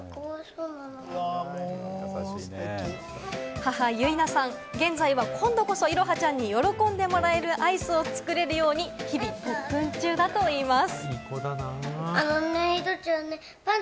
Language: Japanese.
母・唯奈さん、現在は今度こそ彩羽ちゃんに喜んでもらえるアイスを作れるように、日々、特訓中だといいます。